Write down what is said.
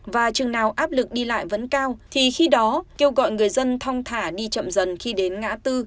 và chừng nào áp lực đi lại vẫn cao thì khi đó kêu gọi người dân thong thả đi chậm dần khi đến ngã tư